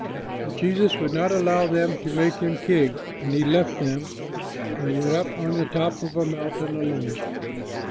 But Jesus would not allow them to make Him king, and He left them and went up on the top of a mountain alone.